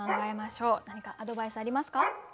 何かアドバイスありますか？